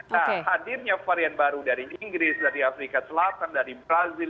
nah hadirnya varian baru dari inggris dari afrika selatan dari brazil